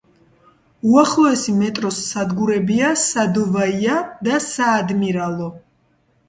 უახლოესი მეტროს სადგურებია „სადოვაია“, და „საადმირალო“.